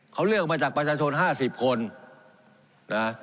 เขาเลือกมาจากประชาชน๕๐คนนะ